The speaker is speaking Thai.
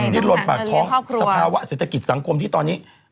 ดิ้นลนปากท้องสภาวะเศรษฐกิจสังคมที่ตอนนี้